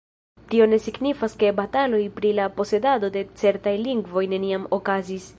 Tio ne signifas ke bataloj pri la posedado de certaj lingvoj neniam okazis